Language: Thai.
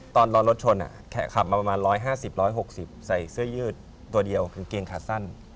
ตอนรอรถชนแขขับมาประมาณ๑๕๐๑๖๐ใส่เสื้อยืดตัวเดียวกางเกงขาสั้น